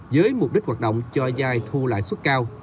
với mục đích hoạt động cho dài thu lãi suất cao